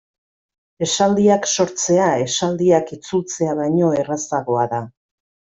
Esaldiak sortzea esaldiak itzultzea baino errazagoa da.